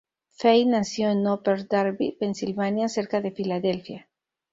Fey nació en Upper Darby, Pensilvania, cerca de Filadelfia.